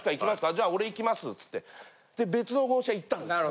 じゃあ俺行きますつって別の号車行ったんですよ。